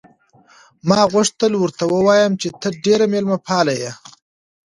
ما غوښتل ورته ووایم چې ته ډېره مېلمه پاله یې.